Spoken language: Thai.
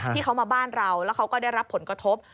ที่เขามาบ้านเราแล้วเขาก็ได้รับผลกระทบ